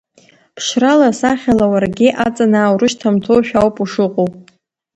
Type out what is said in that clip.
Ԥшрала, сахьала уаргьы аҵанаа урышьҭамҭоушәа ауп ушыҟоу.